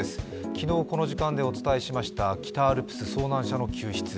昨日この時間でお伝えしました北アルプスの救出。